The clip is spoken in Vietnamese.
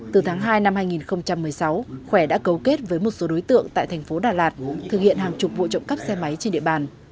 từ tháng hai năm hai nghìn một mươi sáu khỏe đã cấu kết với một số đối tượng tại thành phố đà lạt thực hiện hàng chục vụ trộm cắp xe máy trên địa bàn